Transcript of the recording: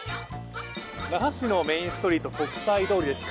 那覇市のメインストリート国際通りです。